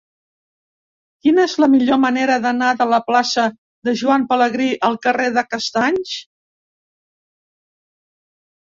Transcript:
Quina és la millor manera d'anar de la plaça de Joan Pelegrí al carrer de Castanys?